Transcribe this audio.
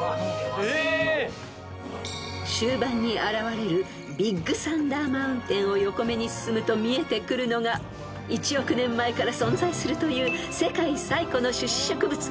［終盤に現れるビッグサンダー・マウンテンを横目に進むと見えてくるのが１億年前から存在するという世界最古の種子植物］